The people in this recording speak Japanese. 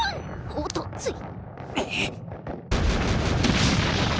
おっとつい。